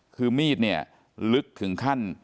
คือมีดลึกถึงขั้น